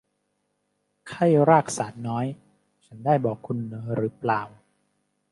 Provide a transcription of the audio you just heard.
ไข้รากสาดน้อย ฉันได้บอกคุณหรือเปล่า